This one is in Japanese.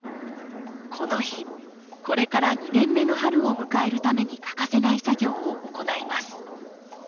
この日これから２年目の春を迎えるために欠かせない作業を行います。